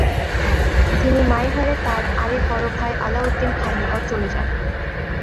তিনি মাইহারে তার আরেক বড় ভাই আলাউদ্দিন খাঁর নিকট চলে যান।